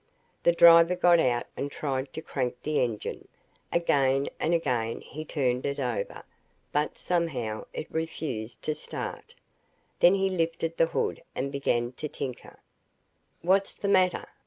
The driver got out and tried to crank the engine. Again and again he turned it over, but, somehow, it refused to start. Then he lifted the hood and began to tinker. "What's the matter?"